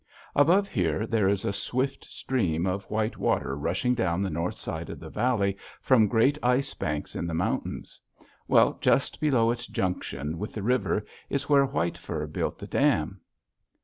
Above here, there is a swift stream of white water rushing down the north side of the valley from great ice banks in the mountains. Well, just below its junction with the river is where White Fur built the dam.